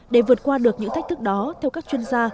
để vượt qua được những thách thức đó theo các chuyên gia